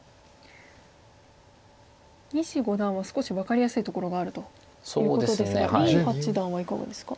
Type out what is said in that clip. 西五段は少し分かりやすいところがあるということですが林八段はいかがですか？